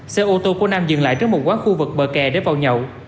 xe ô tô của nam dừng lại trước một quán khu vực bờ kè để vào nhậu